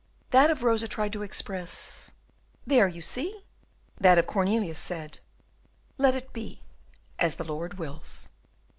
That of Rosa tried to express, "There, you see?" That of Cornelius said, "Let it be as the Lord wills."